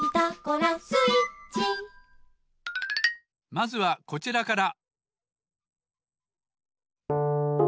まずはこちらから。